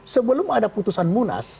sebelum ada keputusan munas